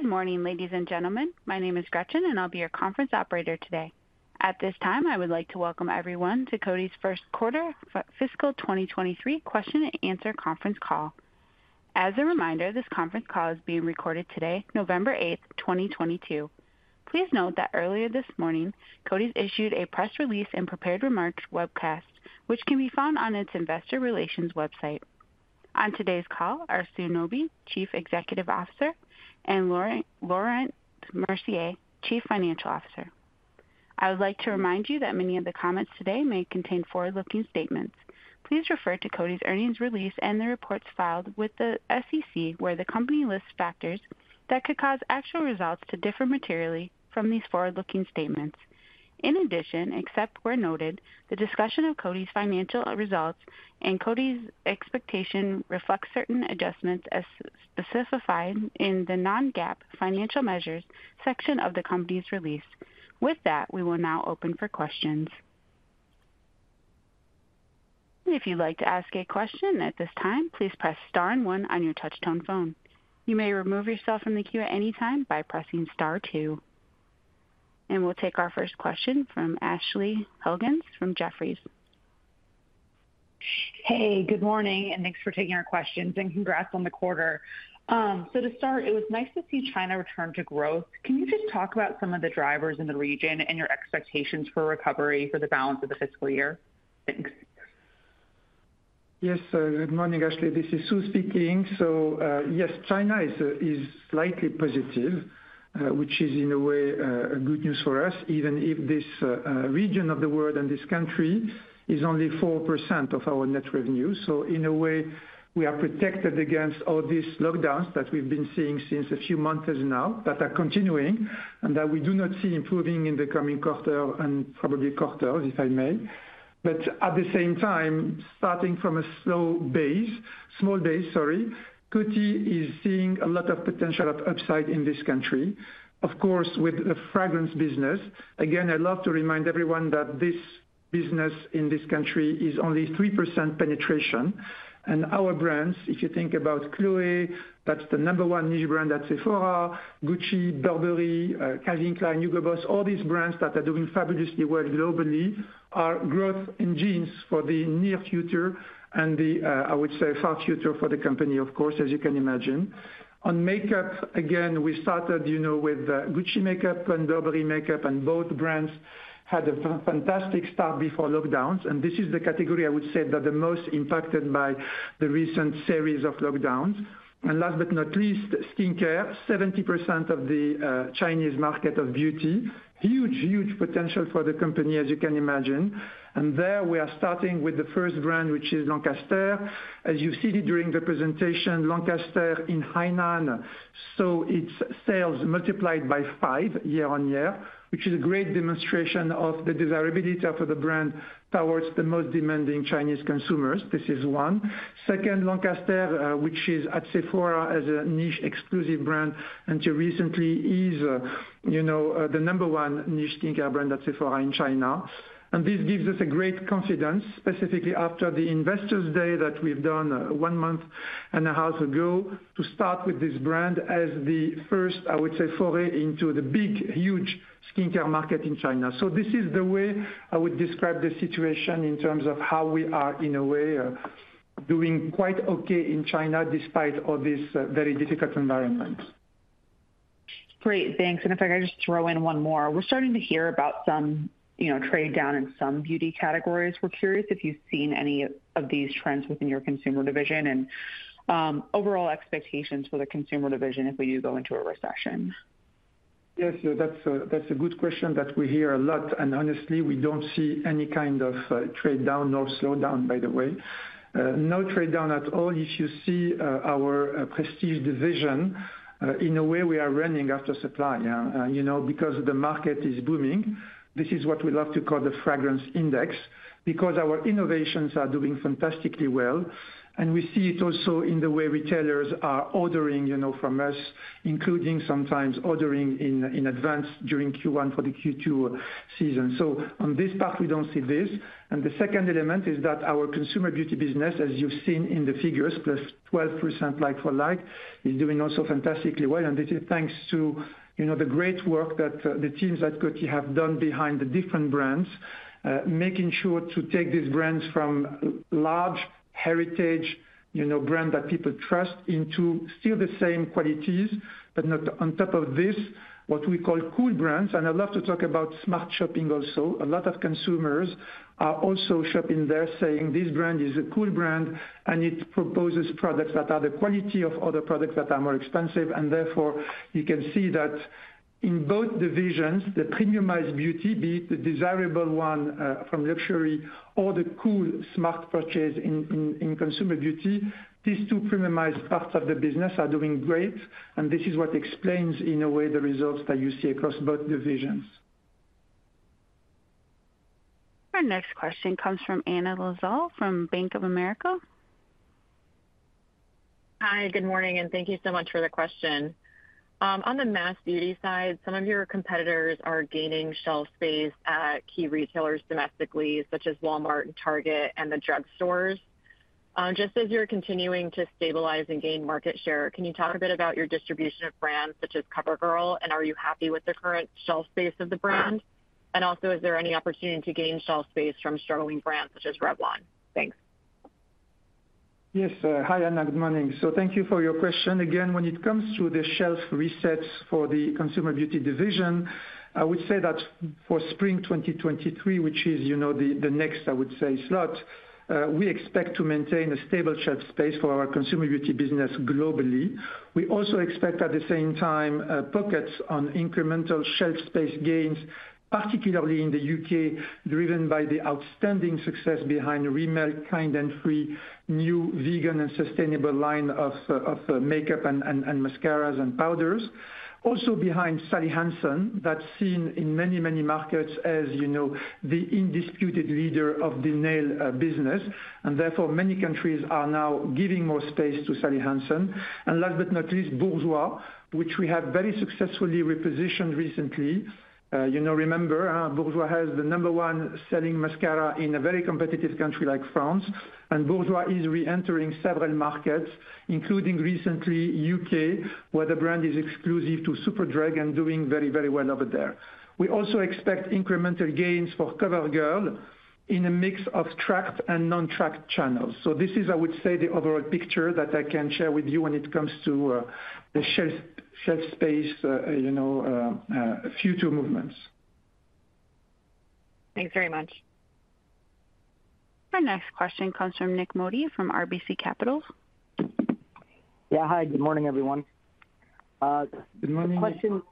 Good morning, ladies and gentlemen. My name is Gretchen, and I'll be your conference operator today. At this time, I would like to welcome everyone to Coty's first quarter fiscal 2023 question and answer conference call. As a reminder, this conference call is being recorded today, November 8, 2022. Please note that earlier this morning, Coty's issued a press release and prepared remarks webcast, which can be found on its investor relations website. On today's call are Sue Nabi, Chief Executive Officer, and Laurent Mercier, Chief Financial Officer. I would like to remind you that many of the comments today may contain forward-looking statements. Please refer to Coty's earnings release and the reports filed with the SEC, where the company lists factors that could cause actual results to differ materially from these forward-looking statements. In addition, except where noted, the discussion of Coty's financial results and Coty's expectation reflects certain adjustments as specified in the non-GAAP financial measures section of the company's release. With that, we will now open for questions. If you'd like to ask a question at this time, please press star and one on your touch tone phone. You may remove yourself from the queue at any time by pressing star two. We'll take our first question from Ashley Helgans from Jefferies. Hey, good morning, and thanks for taking our questions, and congrats on the quarter. To start, it was nice to see China return to growth. Can you just talk about some of the drivers in the region and your expectations for recovery for the balance of the fiscal year? Thanks. Yes, good morning, Ashley. This is Sue speaking. Yes, China is slightly positive, which is in a way a good news for us, even if this region of the world and this country is only 4% of our net revenue. In a way, we are protected against all these lockdowns that we've been seeing since a few months now that are continuing and that we do not see improving in the coming quarter and probably quarters, if I may. At the same time, starting from a small base, sorry, Coty is seeing a lot of potential of upside in this country, of course, with the fragrance business. Again, I'd love to remind everyone that this business in this country is only 3% penetration. Our brands, if you think about Chloé, that's the number one niche brand at Sephora, Gucci, Burberry, Calvin Klein, Hugo Boss, all these brands that are doing fabulously well globally, are growth engines for the near future and the, I would say far future for the company, of course, as you can imagine. On makeup, again, we started, you know with, Gucci makeup and Burberry makeup, and both brands had a fantastic start before lockdowns. This is the category I would say that the most impacted by the recent series of lockdowns. Last but not least, skincare. 70% of the Chinese market of beauty. Huge, huge potential for the company, as you can imagine. There we are starting with the first brand, which is Lancaster. As you've seen during the presentation, Lancaster in Hainan saw its sales multiplied by 5 year-over-year, which is a great demonstration of the desirability for the brand towards the most demanding Chinese consumers. This is one. Second, Lancaster, which is at Sephora as a niche exclusive brand until recently, is, you know, the number one niche skincare brand at Sephora in China. And this gives us a great confidence, specifically after the Investors' Day that we've done 1 month and a half ago, to start with this brand as the first, I would say, foray into the big, huge skincare market in China. This is the way I would describe the situation in terms of how we are, in a way, doing quite okay in China despite all this, very difficult environment. Great. Thanks. If I could just throw in one more. We're starting to hear about some, you know, trade down in some beauty categories. We're curious if you've seen any of these trends within your consumer division and overall expectations for the consumer division if we do go into a recession. Yes, that's a good question that we hear a lot. Honestly, we don't see any kind of trade down nor slowdown, by the way. No trade down at all. If you see our prestige division, in a way, we are running after supply, you know, because the market is booming. This is what we love to call the fragrance index, because our innovations are doing fantastically well, and we see it also in the way retailers are ordering, you know, from us, including sometimes ordering in advance during Q1 for the Q2 season. On this part, we don't see this. The second element is that our consumer beauty business, as you've seen in the figures, plus 12% like for like, is doing also fantastically well. This is thanks to, you know, the great work that the teams at Coty have done behind the different brands, making sure to take these brands from large heritage, you know, brand that people trust into still the same qualities, but on top of this, what we call cool brands. I'd love to talk about smart shopping also. A lot of consumers are also shopping there saying, "This brand is a cool brand, and it proposes products that are the quality of other products that are more expensive." Therefore, you can see that in both divisions, the premiumized beauty, be it the desirable one from luxury or the cool smart purchase in consumer beauty. These two premiumized parts of the business are doing great, and this is what explains, in a way, the results that you see across both divisions. Our next question comes from Anna Lizzul from Bank of America. Hi, good morning, and thank you so much for the question. On the mass beauty side, some of your competitors are gaining shelf space at key retailers domestically, such as Walmart and Target and the drugstores. Just as you're continuing to stabilize and gain market share, can you talk a bit about your distribution of brands such as CoverGirl, and are you happy with the current shelf space of the brand? Is there any opportunity to gain shelf space from struggling brands such as Revlon? Thanks. Yes. Hi Anna. Good morning. Thank you for your question again. When it comes to the shelf resets for the consumer beauty division, I would say that for spring 2023, which is, you know, the next I would say slot, we expect to maintain a stable shelf space for our consumer beauty business globally. We also expect, at the same time, pockets of incremental shelf space gains, particularly in the UK, driven by the outstanding success behind Rimmel Kind & Free, new vegan and sustainable line of makeup, mascaras, and powders. Also behind Sally Hansen, that's seen in many markets, as you know, the undisputed leader of the nail business, and therefore many countries are now giving more space to Sally Hansen. Last but not least, Bourjois, which we have very successfully repositioned recently. You know, remember, Bourjois has the number one selling mascara in a very competitive country like France. Bourjois is re-entering several markets, including recently U.K., where the brand is exclusive to Superdrug and doing very, very well over there. We also expect incremental gains for CoverGirl in a mix of tracked and non-tracked channels. This is, I would say, the overall picture that I can share with you when it comes to the shelf space, you know, future movements. Thanks very much. Our next question comes from Nik Modi, from RBC Capital. Yeah. Hi, good morning, everyone. Good morning, Nik. The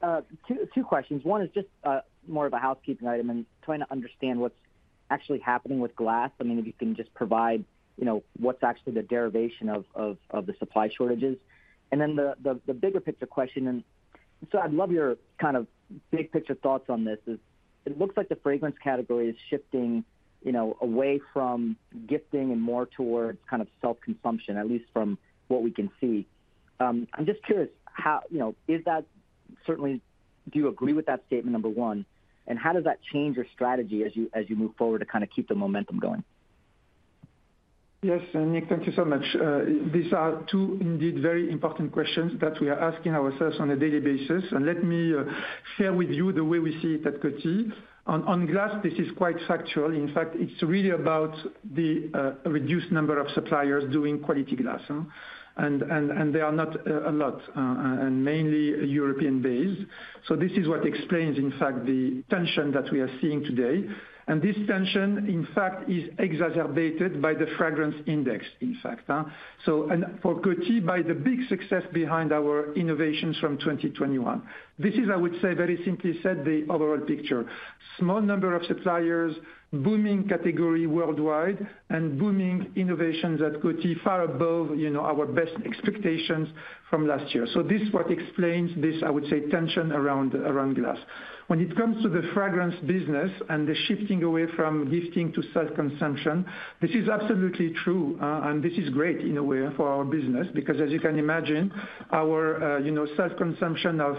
question, two questions. One is just more of a housekeeping item and trying to understand what's actually happening with glass. I mean, if you can just provide, you know, what's actually the derivation of the supply shortages. Then the bigger picture question, I'd love your kind of big picture thoughts on this. It looks like the fragrance category is shifting, you know, away from gifting and more towards kind of self-consumption, at least from what we can see. I'm just curious how you know, do you agree with that statement, number one? How does that change your strategy as you move forward to kind of keep the momentum going? Yes, Nick, thank you so much. These are two indeed very important questions that we are asking ourselves on a daily basis. Let me share with you the way we see it at Coty. On glass, this is quite factual. In fact, it's really about the reduced number of suppliers doing quality glass. They are not a lot and mainly European-based. This is what explains, in fact, the tension that we are seeing today. This tension, in fact, is exacerbated by the fragrance index, in fact, and for Coty, by the big success behind our innovations from 2021. This is, I would say, very simply said, the overall picture. Small number of suppliers, booming category worldwide, and booming innovations at Coty far above, you know, our best expectations from last year. This is what explains this, I would say, tension around glass. When it comes to the fragrance business and the shifting away from gifting to self-consumption, this is absolutely true, and this is great in a way for our business, because as you can imagine, our, you know, self-consumption of,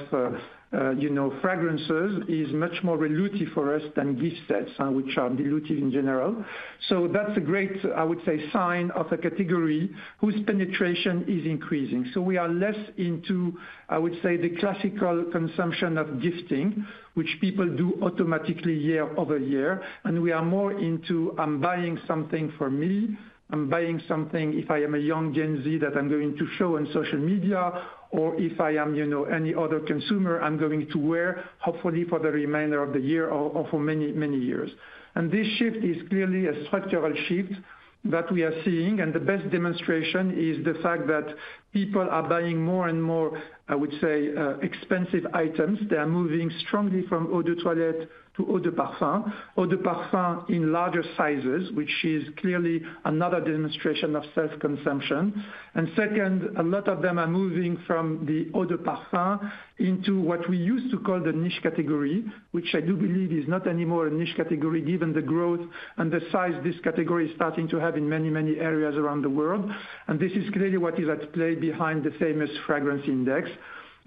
you know, fragrances is much more dilutive for us than gift sets, which are dilutive in general. That's a great, I would say, sign of a category whose penetration is increasing. We are less into, I would say, the classical consumption of gifting, which people do automatically year-over-year, and we are more into, "I'm buying something for me. I'm buying something if I am a young Gen Z that I'm going to show on social media, or if I am, you know, any other consumer I'm going to wear, hopefully for the remainder of the year or for many, many years." This shift is clearly a structural shift that we are seeing, and the best demonstration is the fact that people are buying more and more, I would say, expensive items. They are moving strongly from eau de toilette to eau de parfum. Eau de parfum in larger sizes, which is clearly another demonstration of self-consumption. Second, a lot of them are moving from the eau de parfum into what we used to call the niche category, which I do believe is not anymore a niche category, given the growth and the size this category is starting to have in many, many areas around the world. This is clearly what is at play behind the famous fragrance index.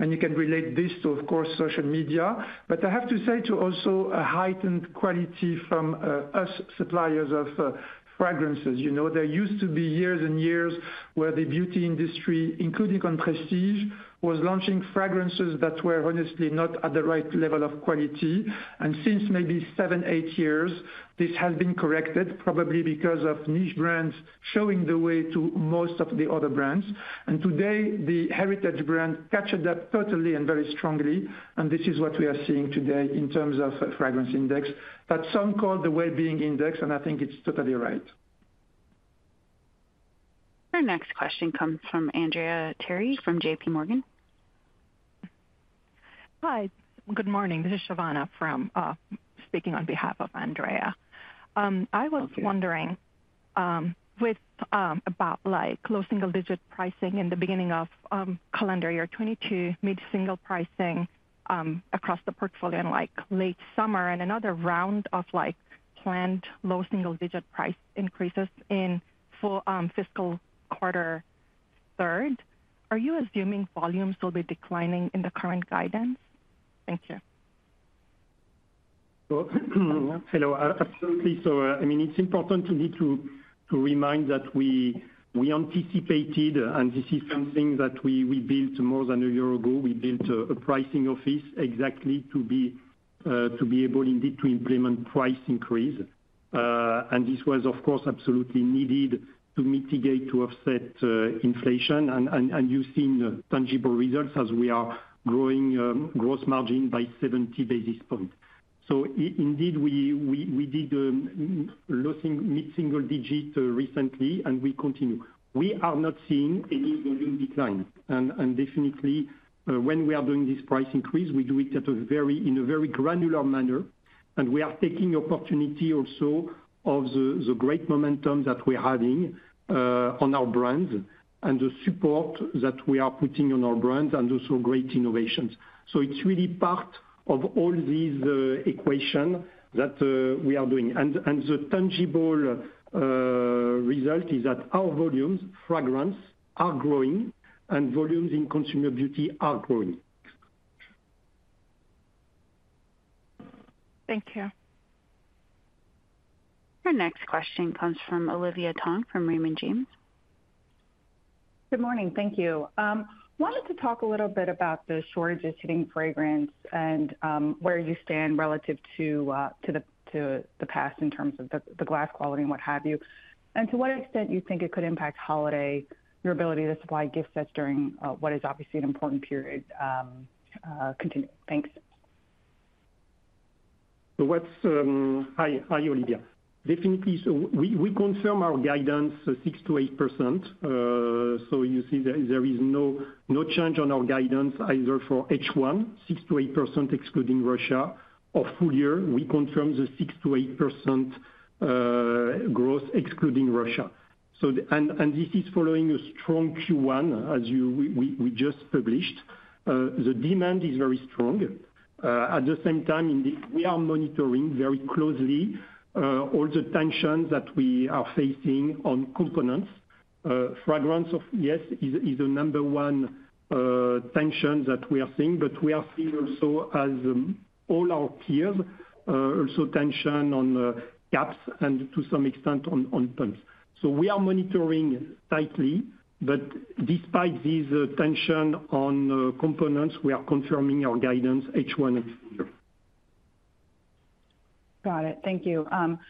You can relate this to, of course, social media. I have to say too also a heightened quality from U.S. suppliers of fragrances. You know, there used to be years and years where the beauty industry, including on prestige, was launching fragrances that were honestly not at the right level of quality. Since maybe seven, eight years, this has been corrected, probably because of niche brands showing the way to most of the other brands. Today, the heritage brand captured that totally and very strongly, and this is what we are seeing today in terms of fragrance index. That's sometimes called the wellbeing index, and I think it's totally right. Our next question comes from Andrea Teixeira from J.P. Morgan. Hi. Good morning. This is Shimei Fan from, speaking on behalf of Andrea. Okay. I was wondering about like low single digit pricing in the beginning of calendar year 2022, mid-single pricing across the portfolio in like late summer and another round of like planned low single digit price increases in full fiscal quarter third. Are you assuming volumes will be declining in the current guidance? Thank you. Well, hello. Absolutely. I mean, it's important indeed to remind that we anticipated, and this is something that we built more than a year ago. We built a pricing office exactly to be able indeed to implement price increase. And this was, of course, absolutely needed to mitigate, to offset, inflation. You've seen tangible results as we are growing gross margin by 70 basis points. Indeed we did pricing mid-single digit recently, and we continue. We are not seeing any volume decline. Definitely, when we are doing this price increase, we do it in a very granular manner. We are taking opportunity also of the great momentum that we're having on our brands and the support that we are putting on our brands and also great innovations. It's really part of all these equation that we are doing. The tangible result is that our volumes fragrance are growing and volumes in consumer beauty are growing. Thank you. Your next question comes from Olivia Tong from Raymond James. Good morning. Thank you. Wanted to talk a little bit about the shortages hitting fragrance and where you stand relative to the past in terms of the glass quality and what have you. To what extent you think it could impact holiday, your ability to supply gift sets during what is obviously an important period, continuing. Thanks. Hi, Olivia. Definitely. We confirm our guidance 6%-8%. You see there is no change on our guidance either for H1, 6%-8% excluding Russia or full year. We confirm the 6%-8% growth excluding Russia. This is following a strong Q1 as we just published. The demand is very strong. At the same time, indeed, we are monitoring very closely all the tensions that we are facing on components. Fragrance, yes, is the number one tension that we are seeing, but we are seeing also, as all our peers, also tension on caps and to some extent on pumps. We are monitoring tightly, but despite this tension on components, we are confirming our guidance H1 next year. Got it. Thank you. Can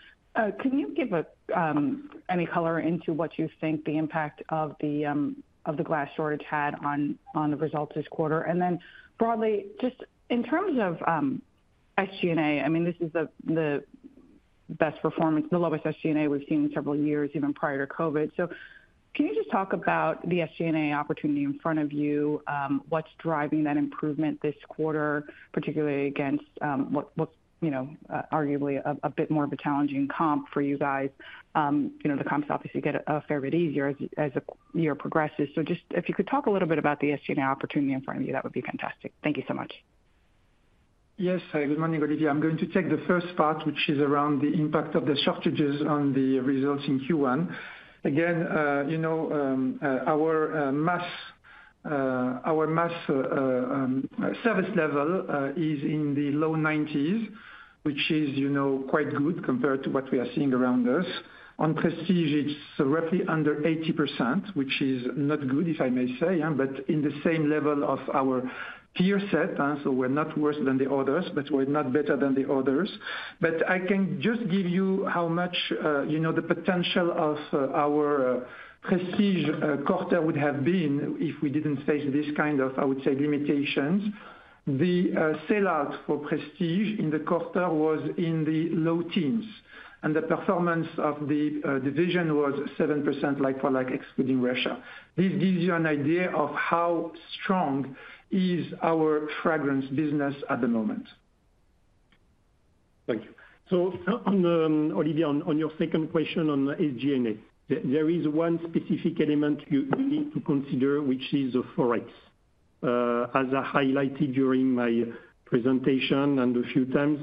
you give any color into what you think the impact of the glass shortage had on the results this quarter? Broadly, just in terms of SG&A, I mean, this is the best performance, the lowest SG&A we've seen in several years, even prior to COVID. Can you just talk about the SG&A opportunity in front of you? What's driving that improvement this quarter, particularly against what you know arguably a bit more of a challenging comp for you guys? You know, the comps obviously get a fair bit easier as the year progresses. Just if you could talk a little bit about the SG&A opportunity in front of you, that would be fantastic. Thank you so much. Yes. Good morning, Olivia. I'm going to take the first part, which is around the impact of the shortages on the results in Q1. Again, you know, our mass service level is in the low 90s, which is, you know, quite good compared to what we are seeing around us. On prestige, it's roughly under 80%, which is not good, if I may say, but in the same level of our peer set, so we're not worse than the others, but we're not better than the others. I can just give you how much, you know, the potential of our prestige quarter would have been if we didn't face this kind of, I would say, limitations. The sell out for prestige in the quarter was in the low teens, and the performance of the division was 7% like for like excluding Russia. This gives you an idea of how strong is our fragrance business at the moment. Thank you. On Olivia, on your second question on SG&A, there is one specific element you need to consider, which is the Forex. As I highlighted during my presentation and a few times,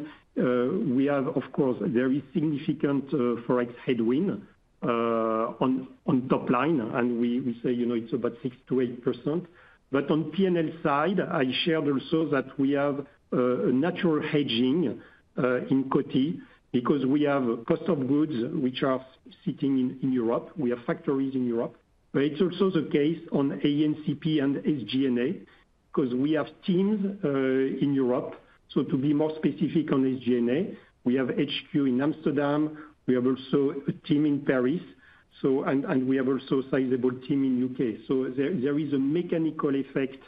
we have, of course, a very significant Forex headwind on top line, and we say, you know, it's about 6%-8%. But on P&L side, I shared also that we have a natural hedging in Coty because we have cost of goods which are sitting in Europe. We have factories in Europe. It's also the case on A&CP and SG&A because we have teams in Europe. To be more specific on SG&A, we have HQ in Amsterdam, we have also a team in Paris, and we have also a sizable team in U.K. There is a mechanical effect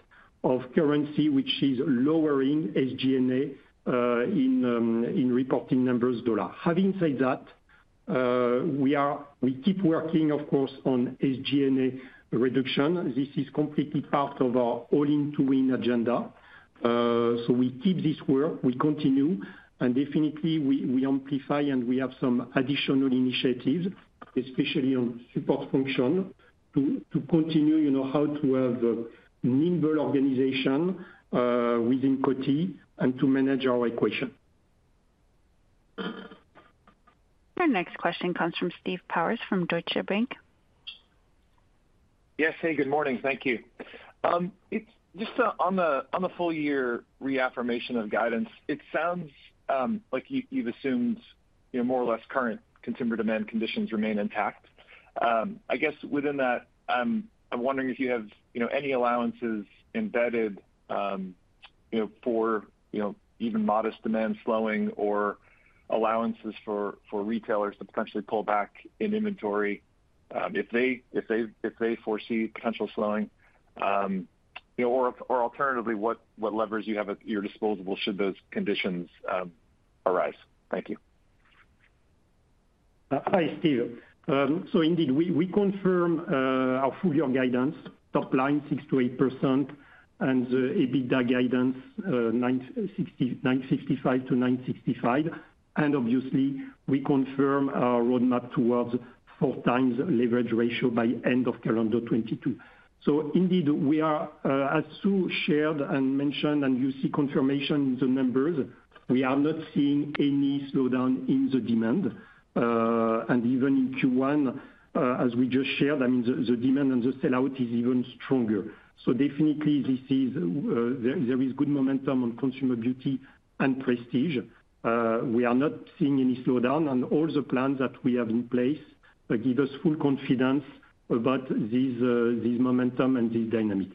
of currency which is lowering SG&A in reporting numbers in dollar. Having said that, we keep working, of course, on SG&A reduction. This is completely part of our All In to Win agenda. We keep this work, we continue, and definitely we amplify and we have some additional initiatives, especially on support function to continue, you know, how to have a nimble organization within Coty and to manage our equation. Our next question comes from Steve Powers from Deutsche Bank. Yes. Hey, good morning. Thank you. It's just on the full year reaffirmation of guidance, it sounds like you've assumed, you know, more or less current consumer demand conditions remain intact. I guess within that, I'm wondering if you have, you know, any allowances embedded, you know, for even modest demand slowing or allowances for retailers to potentially pull back in inventory, if they foresee potential slowing, you know or alternatively, what levers you have at your disposal should those conditions arise. Thank you. Hi, Steve. Indeed, we confirm our full year guidance top line 6%-8% and the EBITDA guidance $965-$965. Obviously we confirm our roadmap towards 4x leverage ratio by end of calendar 2022. Indeed we are, as Sue shared and mentioned, and you see confirmation in the numbers, we are not seeing any slowdown in the demand. Even in Q1, as we just shared, I mean, the demand and the sellout is even stronger. Definitely there is good momentum on consumer beauty and prestige. We are not seeing any slowdown and all the plans that we have in place give us full confidence about this momentum and this dynamic.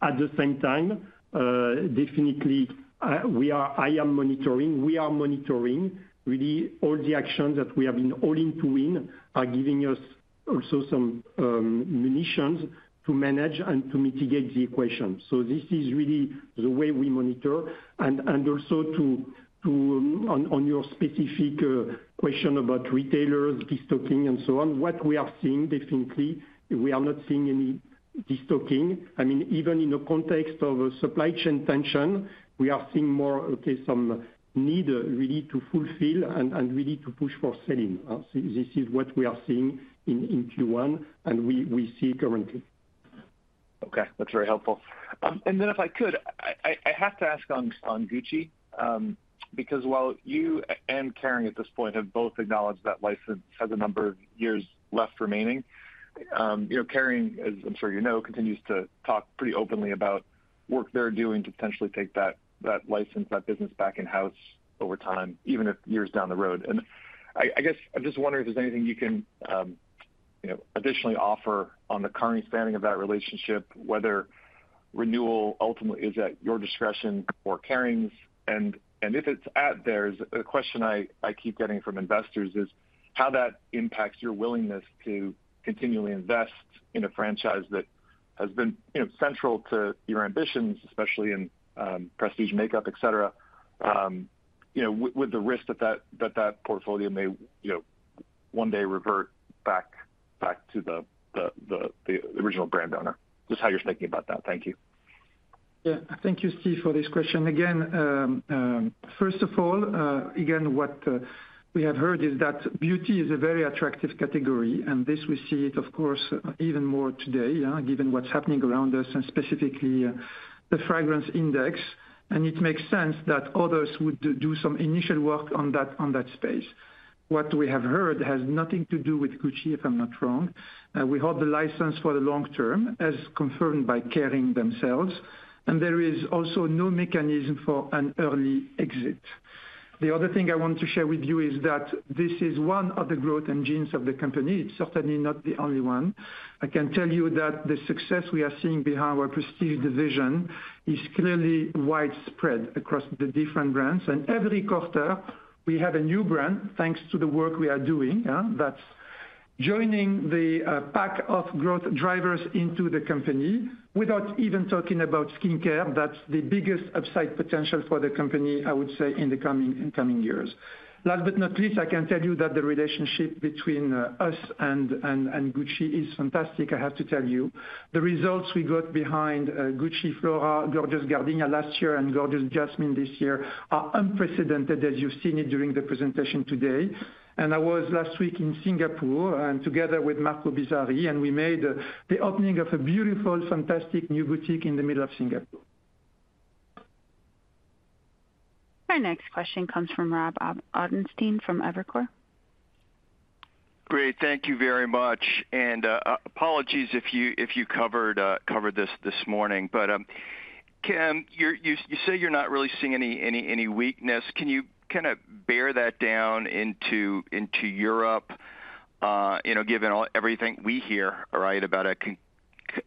At the same time, definitely, we are monitoring really all the actions that we have been All In to Win are giving us also some ammunition to manage and to mitigate the equation. This is really the way we monitor. Also, on your specific question about retailers destocking and so on, what we are seeing definitely we are not seeing any destocking. I mean, even in the context of supply chain tension, we are seeing more of a need really to fulfill and really to push for selling. This is what we are seeing in Q1, and we see currently. Okay, that's very helpful. If I could, I have to ask on Gucci, because while you and Kering at this point have both acknowledged that license has a number of years left remaining, you know, Kering, as I'm sure you know, continues to talk pretty openly about work they're doing to potentially take that license, that business back in house over time, even if years down the road. I guess I'm just wondering if there's anything you can, you know, additionally offer on the current standing of that relationship, whether renewal ultimately is at your discretion or Kering's and if it's at theirs, a question I keep getting from investors is how that impacts your willingness to continually invest in a franchise that has been, you know, central to your ambitions, especially in prestige makeup, et cetera, you know, with the risk that that portfolio may, you know, one day revert back to the original brand owner. Just how you're thinking about that. Thank you. Yeah, thank you, Steve, for this question. Again, first of all, again, what we have heard is that beauty is a very attractive category. This we see it of course even more today, given what's happening around us and specifically the fragrance index. It makes sense that others would do some initial work on that space. What we have heard has nothing to do with Gucci, if I'm not wrong. We hold the license for the long term as confirmed by Kering themselves, and there is also no mechanism for an early exit. The other thing I want to share with you is that this is one of the growth engines of the company. It's certainly not the only one. I can tell you that the success we are seeing behind our prestige division is clearly widespread across the different brands. Every quarter we have a new brand, thanks to the work we are doing, yeah, that's joining the pack of growth drivers into the company without even talking about skincare. That's the biggest upside potential for the company, I would say in the coming years. Last but not least, I can tell you that the relationship between us and Gucci is fantastic, I have to tell you. The results we got behind Gucci Flora Gorgeous Gardenia last year and Flora Gorgeous Jasmine this year are unprecedented as you've seen it during the presentation today. I was last week in Singapore and together with Marco Bizzarri, and we made the opening of a beautiful, fantastic new boutique in the middle of Singapore. Our next question comes from Rob Ottenstein from Evercore. Great. Thank you very much. Apologies if you covered this this morning. You're saying you're not really seeing any weakness. Can you kind of break that down into Europe? You know, given everything we hear, right? About a context of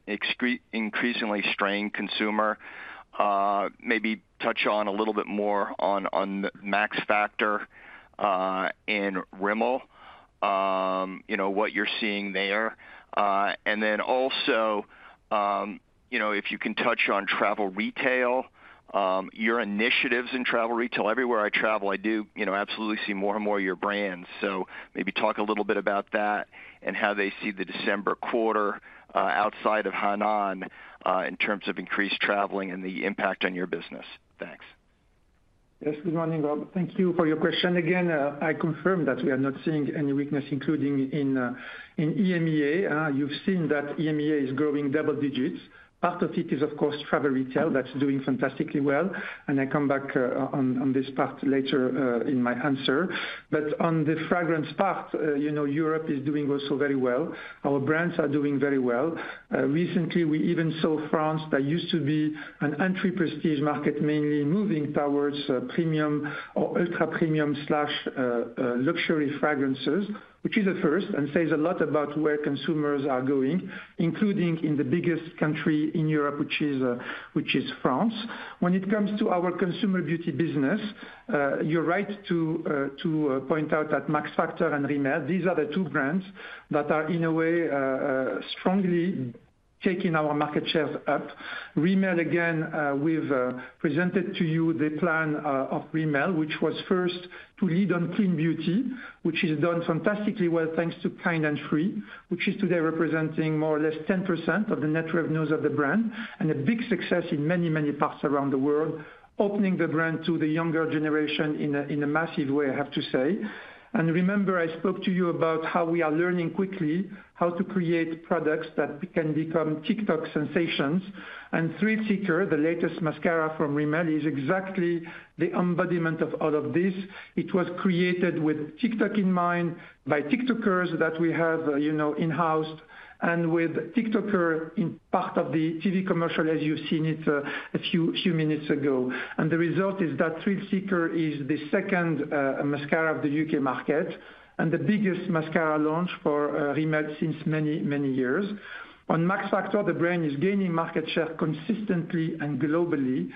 extremely increasingly strained consumer, maybe touch on a little bit more on Max Factor and Rimmel, you know, what you're seeing there. And then also, you know, if you can touch on travel retail, your initiatives in travel retail. Everywhere I travel, I do, you know, absolutely see more and more of your brands. So maybe talk a little bit about that and how they see the December quarter, outside of Hainan, in terms of increased traveling and the impact on your business. Thanks. Yes, good morning, Rob. Thank you for your question. Again, I confirm that we are not seeing any weakness, including in EMEA. You've seen that EMEA is growing double digits. Part of it is, of course, travel retail, that's doing fantastically well. I come back on this part later in my answer. On the fragrance part, you know, Europe is doing also very well. Our brands are doing very well. Recently, we even saw France, that used to be an entry prestige market, mainly moving towards premium or ultra premium slash luxury fragrances, which is a first and says a lot about where consumers are going, including in the biggest country in Europe, which is France. When it comes to our consumer beauty business, you're right to point out that Max Factor and Rimmel, these are the two brands that are, in a way, strongly taking our market shares up. Rimmel, again, we've presented to you the plan of Rimmel, which was first to lead on clean beauty, which has done fantastically well thanks to Kind & Free, which is today representing more or less 10% of the net revenues of the brand and a big success in many, many parts around the world, opening the brand to the younger generation in a massive way, I have to say. Remember, I spoke to you about how we are learning quickly how to create products that can become TikTok sensations. Thrill Seeker, the latest mascara from Rimmel, is exactly the embodiment of all of this. It was created with TikTok in mind by TikTokers that we have in-house and with TikToker in part of the TV commercial as you've seen it a few minutes ago. The result is that Thrill Seeker is the second mascara of the UK market and the biggest mascara launch for Rimmel since many, many years. On Max Factor, the brand is gaining market share consistently and globally.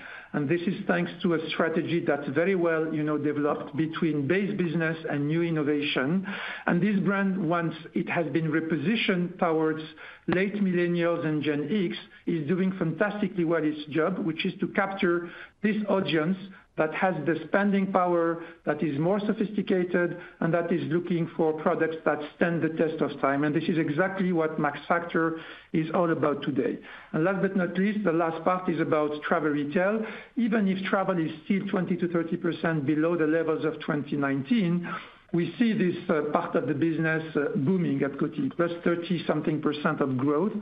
This is thanks to a strategy that's very well developed between base business and new innovation. This brand, once it has been repositioned towards late millennials and Gen X, is doing fantastically well its job, which is to capture this audience that has the spending power, that is more sophisticated, and that is looking for products that stand the test of time. This is exactly what Max Factor is all about today. Last but not least, the last part is about travel retail. Even if travel is still 20%-30% below the levels of 2019, we see this part of the business booming at Coty, plus 30-something% growth.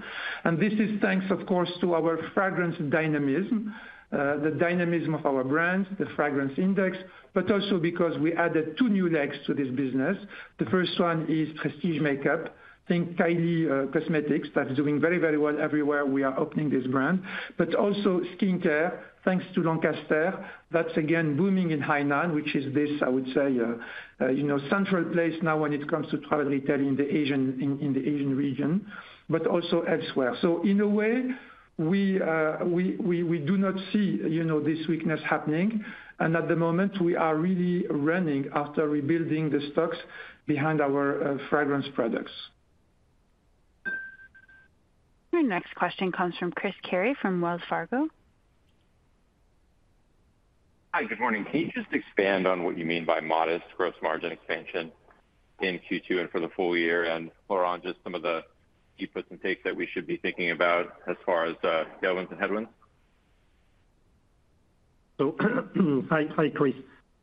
This is thanks, of course, to our fragrance dynamism, the dynamism of our brands, the fragrance index, but also because we added two new legs to this business. The first one is prestige makeup. Think Kylie Cosmetics, that's doing very, very well everywhere we are opening this brand. Also skincare, thanks to Lancaster. That's again booming in Hainan, which is this, I would say, you know, central place now when it comes to travel retail in the Asian region, but also elsewhere. In a way, we do not see, you know, this weakness happening. At the moment, we are really running after rebuilding the stocks behind our fragrance products. Our next question comes from Chris Carey from Wells Fargo. Hi, good morning. Can you just expand on what you mean by modest gross margin expansion in Q2 and for the full year? Laurent, just some of the gives and takes that we should be thinking about as far as tailwinds and headwinds. Hi, Chris.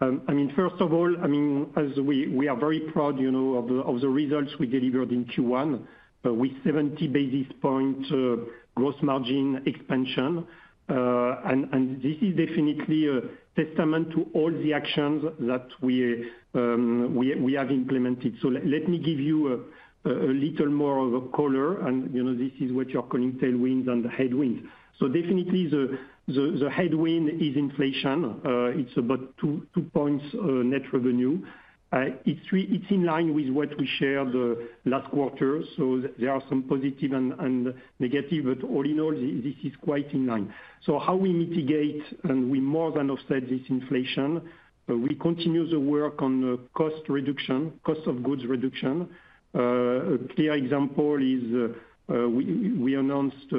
I mean, first of all, I mean, as we are very proud, you know, of the results we delivered in Q1 with 70 basis points gross margin expansion. This is definitely a testament to all the actions that we have implemented. Let me give you a little more color, you know, this is what you are calling tailwinds and the headwinds. The headwind is inflation. It's about 2 points net revenue. It's in line with what we shared last quarter. There are some positive and negative, but all in all, this is quite in line. How we mitigate and we more than offset this inflation, we continue the work on cost reduction, cost of goods reduction. A clear example is, we announced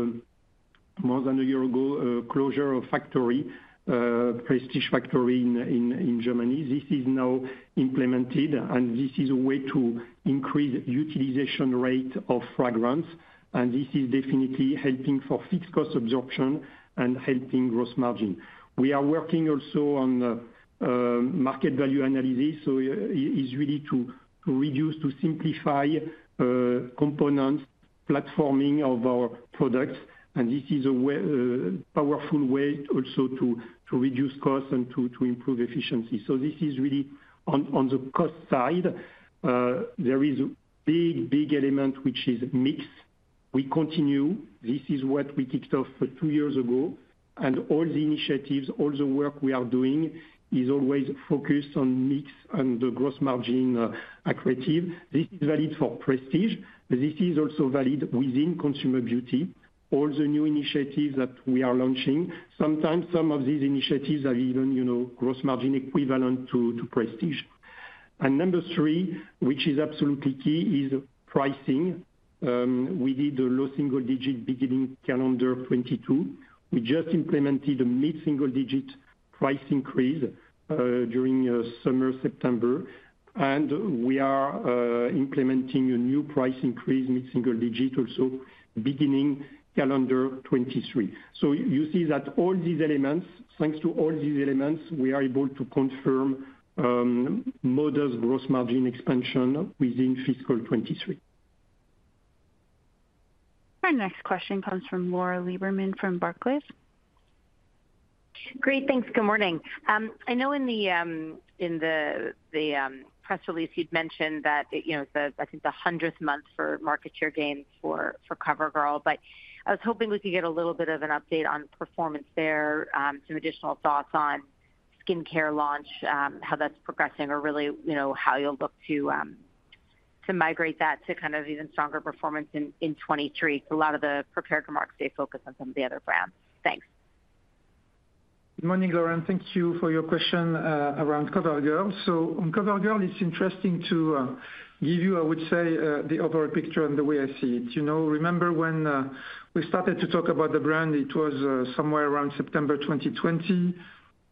more than a year ago, closure of factory, prestige factory in Germany. This is now implemented, and this is a way to increase utilization rate of fragrance, and this is definitely helping for fixed cost absorption and helping gross margin. We are working also on market value analysis, so is really to reduce, to simplify components, platforming of our products, and this is a powerful way also to reduce costs and to improve efficiency. This is really on the cost side. There is a big element which is mix. We continue. This is what we kicked off 2 years ago, and all the initiatives, all the work we are doing is always focused on mix and the gross margin accretive. This is valid for prestige. This is also valid within consumer beauty. All the new initiatives that we are launching, sometimes some of these initiatives are even, you know, gross margin equivalent to prestige. Number three, which is absolutely key, is pricing. We did a low single-digit% beginning calendar 2022. We just implemented a mid-single-digit% price increase during summer, September. We are implementing a new price increase mid-single-digit% also beginning calendar 2023. You see that all these elements. Thanks to all these elements, we are able to confirm modest gross margin expansion within fiscal 2023. Our next question comes from Lauren Lieberman from Barclays. Great. Thanks. Good morning. I know in the press release, you'd mentioned that, you know, I think the hundredth month for market share gains for CoverGirl. I was hoping we could get a little bit of an update on performance there, some additional thoughts on skincare launch, how that's progressing or really, you know, how you'll look to migrate that to kind of even stronger performance in 2023. A lot of the prepared remarks stay focused on some of the other brands. Thanks. Good morning, Laura, and thank you for your question around CoverGirl. On CoverGirl, it's interesting to give you, I would say, the overall picture and the way I see it. You know, remember when we started to talk about the brand, it was somewhere around September 2020.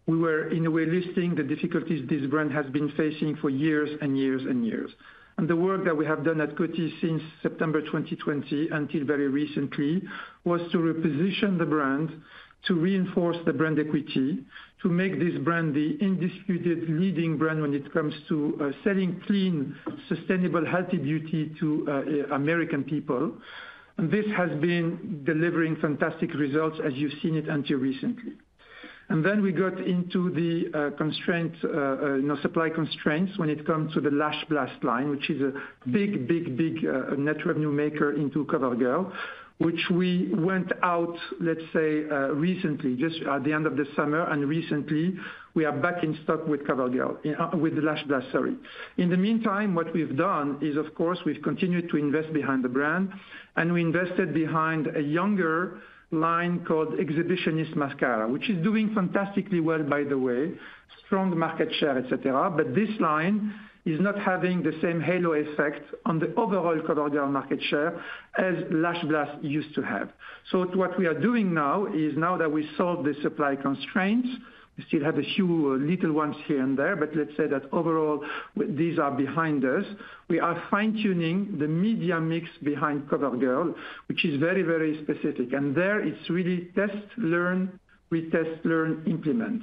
We were in a way listing the difficulties this brand has been facing for years and years and years. The work that we have done at Coty since September 2020 until very recently was to reposition the brand, to reinforce the brand equity, to make this brand the undisputed leading brand when it comes to selling clean, sustainable, healthy beauty to American people. This has been delivering fantastic results as you've seen it until recently. We got into the supply constraints when it comes to the Lash Blast line, which is a big net revenue maker into CoverGirl, which we went out, let's say, recently, just at the end of the summer. Recently, we are back in stock with CoverGirl with Lash Blast, sorry. In the meantime, what we've done is, of course, we've continued to invest behind the brand, and we invested behind a younger line called Exhibitionist Mascara, which is doing fantastically well, by the way, strong market share, et cetera. This line is not having the same halo effect on the overall CoverGirl market share as Lash Blast used to have. What we are doing now is, now that we solved the supply constraints, we still have a few little ones here and there, but let's say that overall, these are behind us. We are fine-tuning the media mix behind CoverGirl, which is very, very specific. There it's really test, learn, retest, learn, implement.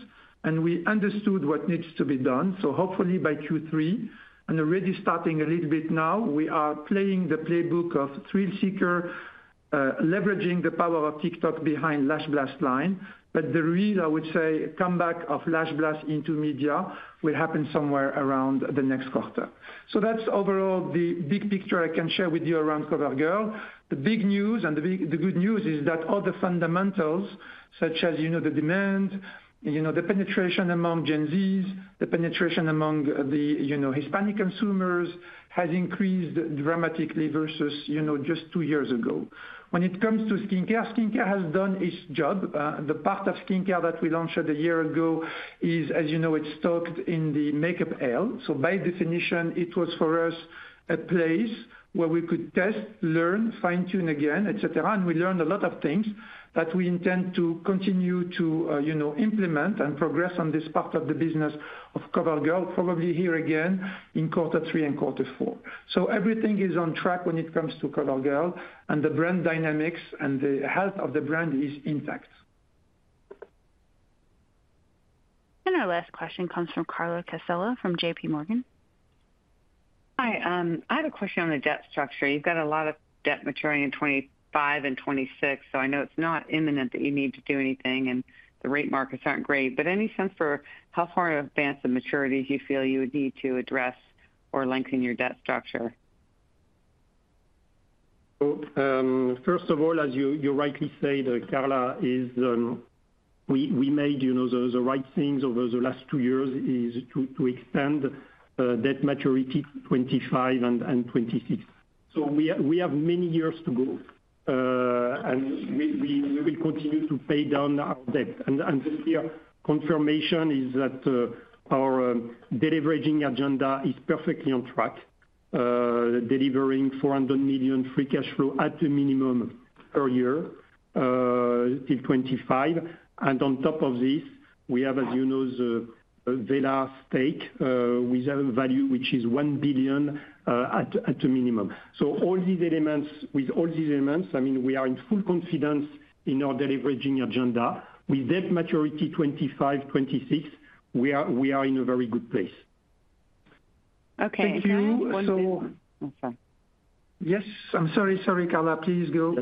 We understood what needs to be done. Hopefully by Q3, and already starting a little bit now, we are playing the playbook of Thrill Seeker, leveraging the power of TikTok behind Lash Blast line. The real, I would say, comeback of Lash Blast into media will happen somewhere around the next quarter. That's overall the big picture I can share with you around CoverGirl. The good news is that all the fundamentals, such as, you know, the demand, you know, the penetration among Gen Z, the penetration among the, you know, Hispanic consumers, has increased dramatically versus, you know, just two years ago. When it comes to skincare has done its job. The part of skincare that we launched a year ago is, as you know, it's stocked in the makeup aisle. So by definition, it was for us a place where we could test, learn, fine-tune again, et cetera. We learned a lot of things that we intend to continue to, you know, implement and progress on this part of the business of CoverGirl, probably here again in quarter three and quarter four. Everything is on track when it comes to CoverGirl, and the brand dynamics and the health of the brand is intact. Our last question comes from Carla Casella from J.P. Morgan. Hi. I have a question on the debt structure. You've got a lot of debt maturing in 2025 and 2026, so I know it's not imminent that you need to do anything, and the rate markets aren't great. Any sense for how far in advance the maturities you feel you would need to address or lengthen your debt structure? First of all, as you rightly said, Carla, we made, you know, the right things over the last two years is to extend debt maturity 25 and 26. We have many years to go and we continue to pay down our debt. This year, confirmation is that our deleveraging agenda is perfectly on track, delivering $400 million free cash flow at a minimum per year till 25. On top of this, we have, as you know, the Wella stake with a value which is $1 billion at a minimum. With all these elements, I mean, we are in full confidence in our deleveraging agenda. With debt maturity 25, 26, we are in a very good place. Okay. Thank you. I'm sorry. Yes. I'm sorry, Carla. Please go.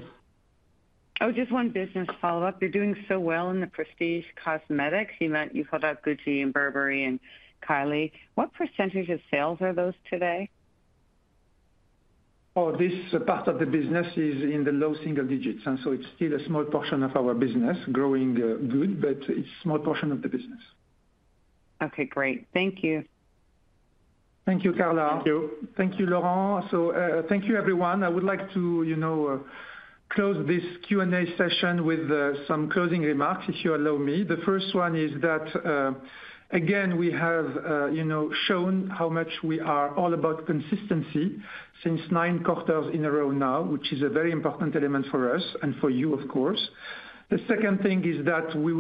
Oh, just one business follow-up. You're doing so well in the prestige cosmetics. You filled out Gucci and Burberry and Kylie. What percentage of sales are those today? Oh, this part of the business is in the low single digits, and so it's still a small portion of our business. Growing, good, but it's small portion of the business. Okay, great. Thank you. Thank you, Carla. Thank you. Thank you, Laurent. Thank you everyone. I would like to, you know, close this Q&A session with some closing remarks, if you allow me. The first one is that, again, we have, you know, shown how much we are all about consistency since 9 quarters in a row now, which is a very important element for us and for you, of course. The second thing is that you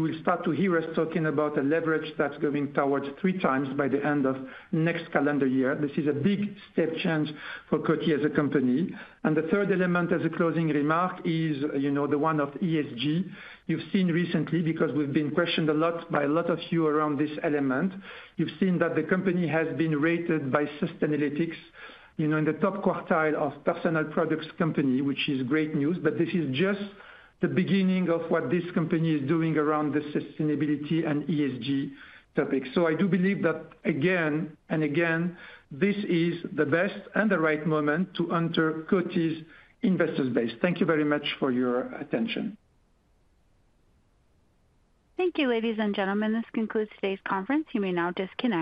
will start to hear us talking about a leverage that's going towards 3 times by the end of next calendar year. This is a big step change for Coty as a company. The third element as a closing remark is, you know, the one of ESG. You've seen recently, because we've been questioned a lot by a lot of you around this element, you've seen that the company has been rated by Sustainalytics, you know, in the top quartile of personal products company, which is great news. This is just the beginning of what this company is doing around the sustainability and ESG topic. I do believe that again and again, this is the best and the right moment to enter Coty's investors base. Thank you very much for your attention. Thank you, ladies and gentlemen. This concludes today's conference. You may now disconnect.